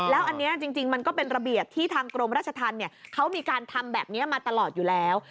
แล้วอันนี้จริงมันก็เป็นระเบียบที่ทางกรมราชธรรมเขามีการทำแบบนี้มาตลอดอยู่แล้ว